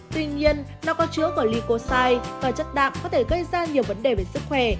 tuy nhiên nó có chứa bởi lycosite và chất đạm có thể gây ra nhiều vấn đề về sức khỏe